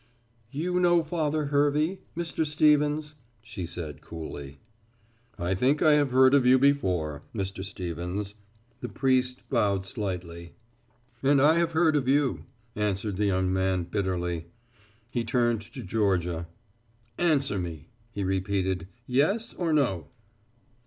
"You know Father Hervey, Mr. Stevens," she said coolly. "I think I have heard of you before, Mr. Stevens," the priest bowed slightly. "And I have heard of you," answered the young man bitterly. He turned to Georgia. "Answer me," he repeated, "yes or no."